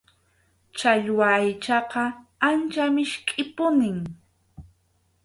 Challwa aychaqa ancha miskʼipunim.